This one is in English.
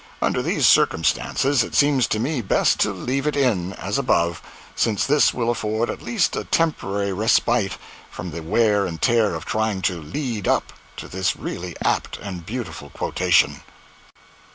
Under these circumstances it seems to me best to leave it in, as above, since this will afford at least a temporary respite from the wear and tear of trying to "lead up" to this really apt and beautiful quotation.